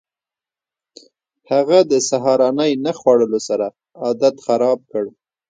هغه د سهارنۍ نه خوړلو سره عادت خراب کړ.